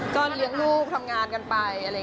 คุณปลอยดูตาค้านก็แล้ว